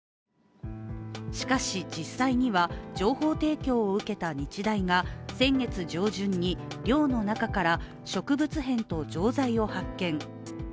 しかし、実際には情報提供を受けた日大が先月上旬に、寮の中から植物片と錠剤を発見。